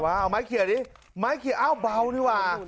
เมื่อก็เอาไม้เคี่ยดอีกไม้เคี่ยอ้าวเบาทิ้ว่า